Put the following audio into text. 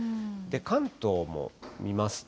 関東も見ますと。